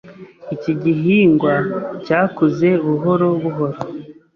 Iki gihingwa cyakuze buhoro buhoro.